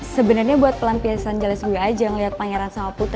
sebenernya buat pelan piaisan jelas gue aja ngeliat pangeran sama putri